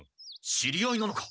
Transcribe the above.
知り合いなのか？